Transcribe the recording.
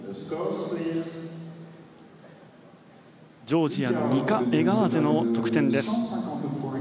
ジョージアのニカ・エガーゼの得点です。